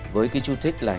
với chú thích là